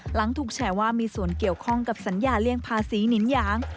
หลังถูกแชร์ว่ามีส่วนเกี่ยวข้องกับสัญญาเลี่ยงภาษีนินยาง